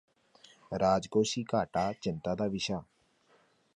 ਰਾਜਕੋਸ਼ੀ ਘਾਟਾ ਚਿੰਤਾ ਦਾ ਵਿਸ਼ਾ